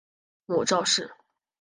母赵氏。